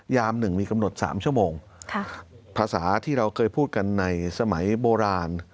หนึ่งมีกำหนด๓ชั่วโมงภาษาที่เราเคยพูดกันในสมัยโบราณ